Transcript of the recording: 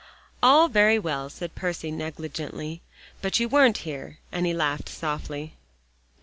"All very well," said Percy negligently, "but you weren't here," and he laughed softly.